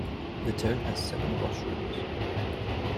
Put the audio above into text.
The town has seven bus routes.